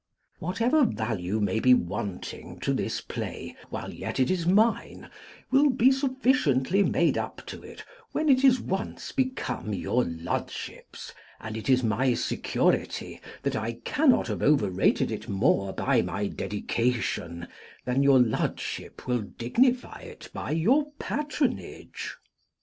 Whatever value may be wanting to this play while yet it is mine, will be sufficiently made up to it when it is once become your lordship's; and it is my security, that I cannot have overrated it more by my dedication than your lordship will dignify it by your patronage.